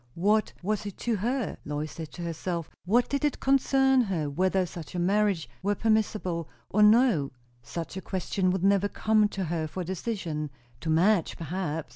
What was it to her? Lois said to herself; what did it concern her, whether such a marriage were permissible or no? Such a question would never come to her for decision. To Madge, perhaps?